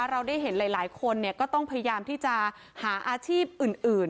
เราได้เห็นหลายคนก็ต้องพยายามที่จะหาอาชีพอื่น